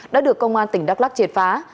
đã được công an tỉnh đắk lắc triệt phá